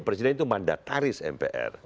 presiden itu mandataris mpr